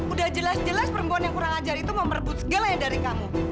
udah jelas jelas perempuan yang kurang ajar itu mau merebut segalanya dari kamu